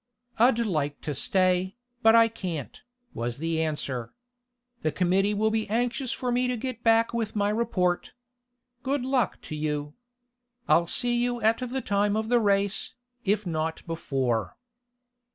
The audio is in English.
"I'd like to stay, but I can't," was the answer. "The committee will be anxious for me to get back with my report. Good luck to you. I'll see you at the time of the race, if not before."